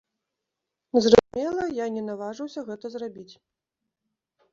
Зразумела, я не наважыўся гэта зрабіць.